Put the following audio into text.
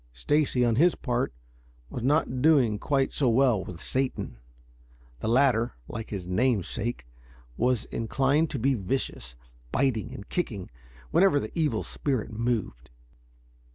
Stacy, on his part, was not doing quite so well with Satan. The latter, like his namesake, was inclined to be vicious, biting and kicking whenever the evil spirit moved.